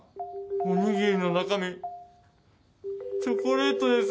お握りの中身チョコレートです。